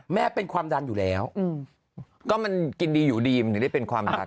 แม่เป็นความดันอยู่แล้วก็มันกินดีอยู่ดีมันถึงได้เป็นความดัน